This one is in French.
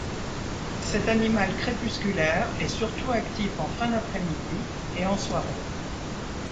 Cet animal crépusculaire est surtout actif en fin d'après-midi et en soirée.